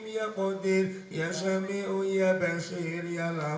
setelah lima uni pantai muhammad kalimantan bertemu equipo yang menjadi kepemimpinan pihakhurantara